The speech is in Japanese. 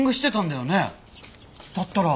だったら。